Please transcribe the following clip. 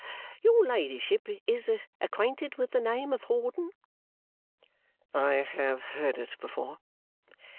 "Your ladyship is acquainted with the name of Hawdon?" "I have heard it before."